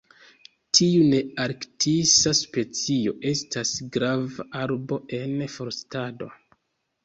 Tiu nearktisa specio estas grava arbo en forstado.